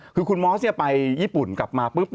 คือคุณมอสไปญี่ปุ่นกลับมาปุ๊บ